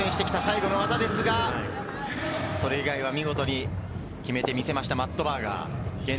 難しい技に挑戦してきた最後の技ですが、それ以外は見事に決めてみせました、マット・バーガー。